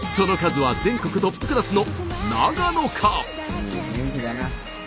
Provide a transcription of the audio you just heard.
いい雰囲気だな。